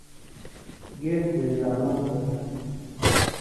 گیس دژالُوں گتہ